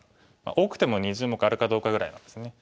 多くても２０目あるかどうかぐらいなんですね。